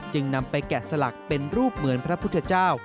นำไปแกะสลักเป็นรูปเหมือนพระพุทธเจ้า